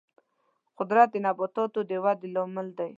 قدرت د نباتاتو د ودې لامل دی.